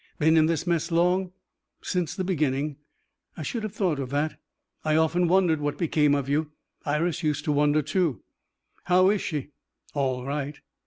"Been in this mess long?" "Since the beginning." "I should have thought of that. I often wondered what became of you. Iris used to wonder, too." "How is she?" "All right."